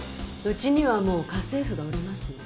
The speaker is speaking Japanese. うちにはもう家政婦がおりますの。